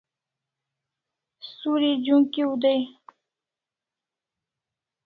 Suri j'unk'iv dai